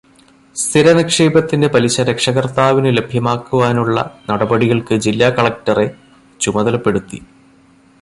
സ്ഥിരനിക്ഷേപത്തിന്റെ പലിശ രക്ഷകര്ത്താവിന് ലഭ്യമാക്കുവാനുള്ള നടപടികള്ക്ക് ജില്ലാ കളക്ടറെ ചുമതലപ്പെടുത്തി.